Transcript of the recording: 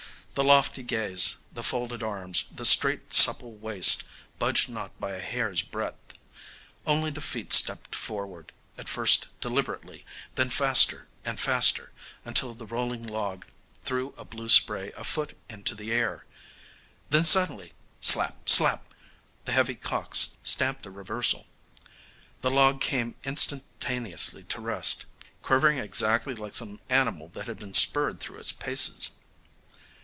The lofty gaze, the folded arms, the straight supple waist budged not by a hair's breadth; only the feet stepped forward, at first deliberately, then faster and faster, until the rolling log threw a blue spray a foot into the air. Then suddenly slap! slap! the heavy caulks stamped a reversal. The log came instantaneously to rest, quivering exactly like some animal that had been spurred through its paces.